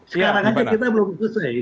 sekarang aja kita belum selesai